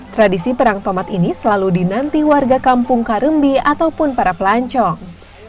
tradisi perang tomat ini selalu dinanti warga kampung karembi ataupun para pelancong